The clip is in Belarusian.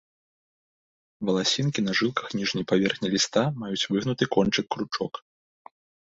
Валасінкі на жылках ніжняй паверхні ліста маюць выгнуты кончык-кручок.